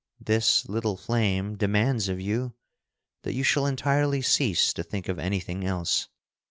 This little flame demands of you that you shall entirely cease to think of anything else.